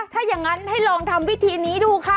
ถ้าอย่างนั้นให้ลองทำวิธีนี้ดูค่ะ